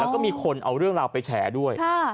แล้วก็มีคนเอาเรื่องราวไปแฉด้วย